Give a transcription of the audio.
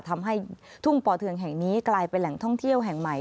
ทำให้ทุ่งป่อเทืองแห่งนี้กลายเป็นแหล่งท่องเที่ยวแห่งใหม่